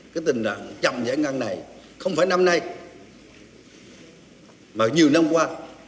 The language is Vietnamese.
cái tình trạng chậm giải ngân này không phải năm nay mà nhiều năm qua